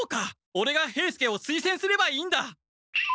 オレが兵助をすいせんすればいいんだ！